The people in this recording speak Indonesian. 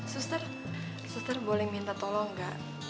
suster suster boleh minta tolong gak